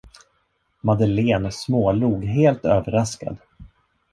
Madeleine smålog helt överraskad.